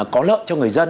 có lợi cho người dân